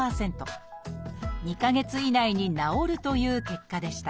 ２か月以内に治るという結果でした。